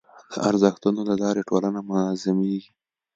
د ارزښتونو له لارې ټولنه منظمېږي.